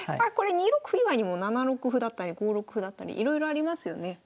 これ２六歩以外にも７六歩だったり５六歩だったりいろいろありますよね。